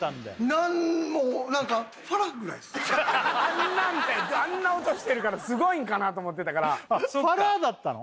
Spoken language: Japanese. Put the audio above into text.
何も何かあんなんであんな音してるからすごいんかなと思ってたからファラだったの？